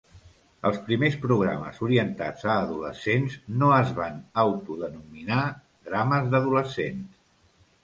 Els primers programes orientats a adolescents no es van autodenominar drames d'adolescents.